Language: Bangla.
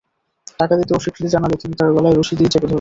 টাকা দিতে অস্বীকৃতি জানালে তিনি তার গলায় রশি দিয়ে চেপে ধরেন।